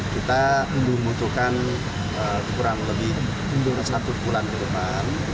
kita membutuhkan kurang lebih mundur satu bulan ke depan